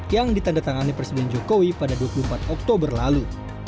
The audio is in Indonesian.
yang ditandatangani presiden jokowi pada dua puluh empat oktober lalu